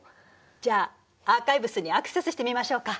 じゃあアーカイブスにアクセスしてみましょうか。